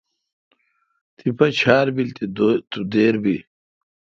تیپہ ڄار بیل تو دیر بی۔